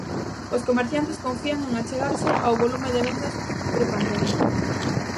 Os comerciantes confían en achegarse ao volume de vendas prepandemia.